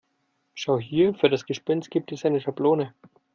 Schau hier, für das Gespenst gibt es eine Schablone.